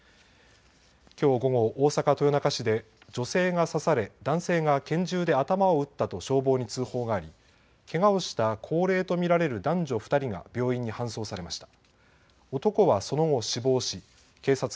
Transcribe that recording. きょう午後、大阪豊中市で女性が刺され男性が拳銃で頭を撃ったと消防に通報がありけがをした高齢と見られる男女２人が病院に搬送されました。